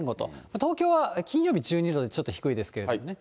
東京は金曜日１２度でちょっと低いですけれどもね。